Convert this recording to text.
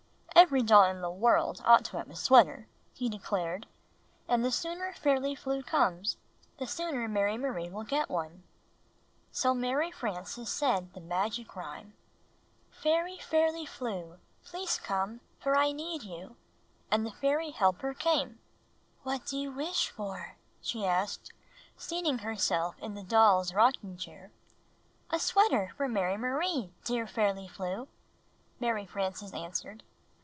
" "Every doll in the world ought to have a sweater," he declared. "And the sooner Fairly Flew comes, the sooner Mary Marie will get one." So Mary Frances said the magic rhyme: If I oriy Jhad a tvetter!" A Teddy Bear Suit 129 ''Fairy Fairly Flew, Please come, for I need you;" and the fairy helper came. "What do you wish for?" she asked, seating her self in the doll's rocking chair. ''A sweater for Mary Marie, dear Fairly Flew," Mary Frances answered.